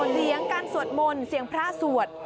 เสียงการสวดมนต์เสียงพระสวด